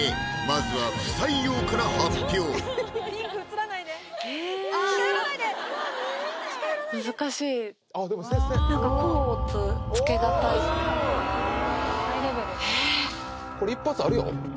まずは不採用から発表えぇこれ一発あるよ